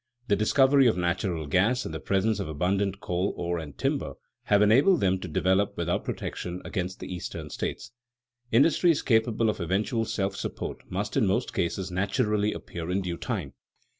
The discovery of natural gas and the presence of abundant coal, ore, and timber have enabled them to develop without protection against the Eastern states. Industries capable of eventual self support must in most cases naturally appear in due time.